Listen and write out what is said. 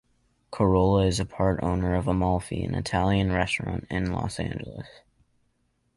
Carolla is a part owner of Amalfi, an Italian restaurant in Los Angeles.